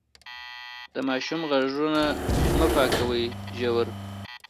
د ماشوم غوږونه مه پاکوئ ژور.